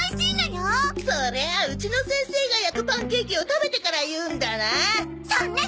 そりゃあうちの先生が焼くパンケーキを食べてから言うんだな！